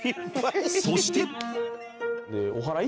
そして